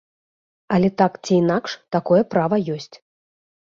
Але, так ці інакш, такое права ёсць.